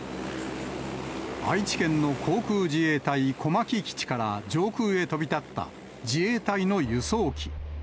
愛知県の航空自衛隊小牧基地から上空へ飛び立った自衛隊の輸送機。